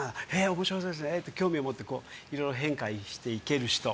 面白そうですねって興味を持っていろいろ変化していける人。